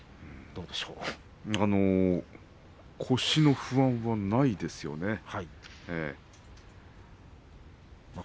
腰の不安はないですよね。